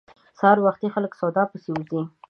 سهار وختي خلک د سودا پسې راوزي.